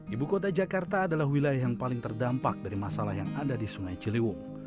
ibu kota jakarta adalah wilayah yang paling terdampak dari masalah yang ada di sungai ciliwung